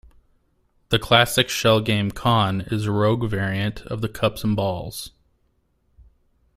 The classic shell game con is a rogue-variant of the cups and balls.